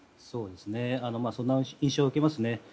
そんな印象を受けますね。